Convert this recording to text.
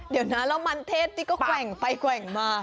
เดี๋ยวนะแล้วมันเทศนี่ก็แกว่งไปแกว่งมา